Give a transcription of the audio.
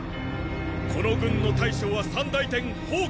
この軍の大将は三大天煖！